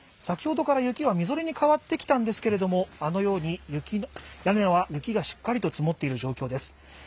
先ほどから雪はみぞれに変わってきたんですけれども、あのように屋根は雪がしっかりと積もっている状況です。